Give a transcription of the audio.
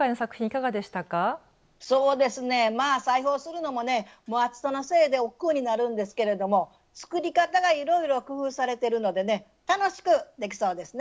そうですね裁縫するのもね暑さのせいでおっくうになるんですけれども作り方がいろいろ工夫されてるのでね楽しくできそうですね。